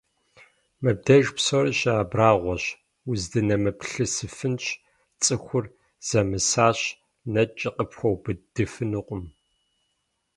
Мыбдеж псори щыабрагьуэщ, уздынэмыплъысыфынщ: цӀыхур зэмысащ, нэкӀи къыпхуэубыдыфынукъым.